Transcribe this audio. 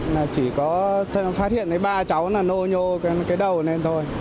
mà chỉ có phát hiện thấy ba cháu nó nô nhô cái đầu này thôi